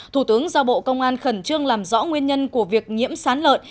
thủ tướng giao bộ công an khẩn trương làm rõ nguyên nhân của việc nhiễm sán lợn